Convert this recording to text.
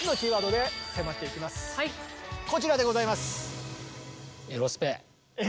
こちらでございます。